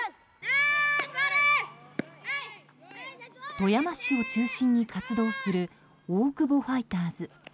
富山市を中心に活動する大久保ファイターズ。